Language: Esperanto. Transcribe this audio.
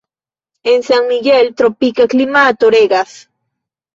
En San Miguel tropika klimato regas.